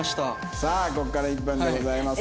さあここから１分でございます。